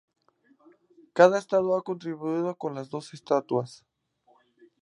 Cada estado ha contribuido con dos estatuas.